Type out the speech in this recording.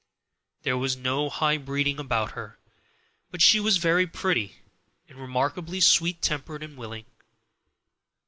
There was no high breeding about her, but she was very pretty and remarkably sweet tempered and willing.